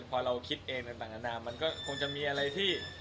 พอเราคิดเองต่างนานามันก็คงจะมีอะไรที่